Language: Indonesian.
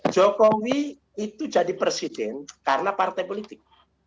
jokowi itu jadi presiden karena partai politik